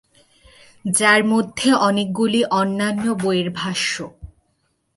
যার মধ্যে অনেকগুলি অন্যান্য বইয়ের ভাষ্য।